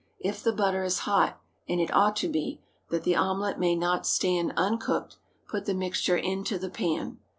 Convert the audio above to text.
If the butter is hot, and it ought to be, that the omelet may not stand uncooked, put the mixture into the pan.